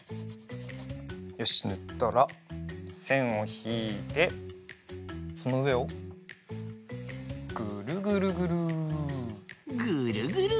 よしぬったらせんをひいてそのうえをぐるぐるぐる。